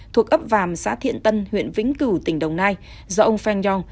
thuộc ấp vàm xã thiện tân huyện vĩnh cửu tỉnh đồng nai do ông feng yong